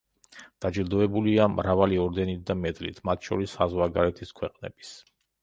დაჯილდოებულია მრავალი ორდენით და მედლით, მათ შორის საზღვარგარეთის ქვეყნების.